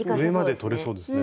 上までとれそうですね。